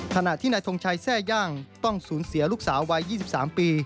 ขณะที่นายทงชัยแทร่ย่างต้องสูญเสียลูกสาววัย๒๓ปี